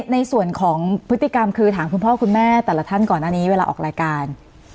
ในส่วนของพฤติกรรมคือถามคุณพ่อคุณแม่แต่ละท่านก่อนอันนี้เวลาออกรายการ